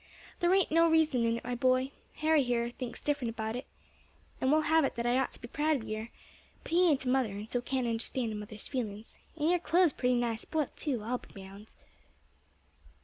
There ain't no reason in it, my boy. Harry here thinks different about it, and will have it that I ought to be proud of yer; but he ain't a mother, and so can't understand a mother's feelings and your clothes pretty nigh spoilt too, I'll be bound."